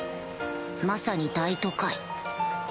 まさに大都会